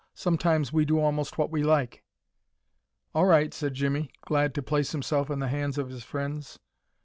Sometimes we do almost what we like." "All right," said Jimmie, glad to place himself in the hands of his friends.